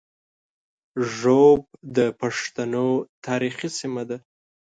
ږوب د پښتنو تاریخي سیمه ده